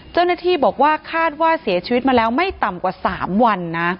เจ้าหน้าที่บอกว่าคาดว่าเสียชีวิตมาแล้วไม่ต่ำกว่า๓วันนะ